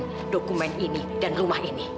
kamu mencemalkan dokumen ini dan rumah ini